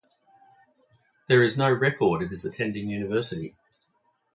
There is no record of his attending university.